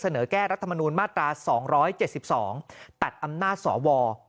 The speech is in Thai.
แก้รัฐมนูลมาตรา๒๗๒ตัดอำนาจสว